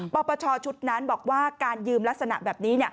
ปปชชุดนั้นบอกว่าการยืมลักษณะแบบนี้